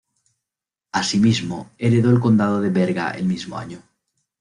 Asimismo, heredó el condado de Berga el mismo año.